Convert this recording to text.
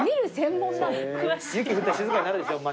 雪降ったら静かになるでしょ街。